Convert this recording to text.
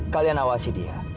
kalian awasi dia